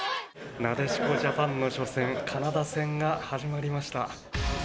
なでしこジャパンの初戦カナダ戦が始まりました。